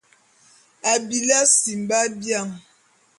Abili asimba bian.